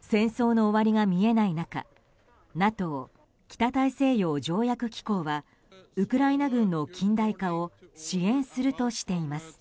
戦争の終わりが見えない中ＮＡＴＯ・北大西洋条約機構はウクライナ軍の近代化を支援するとしています。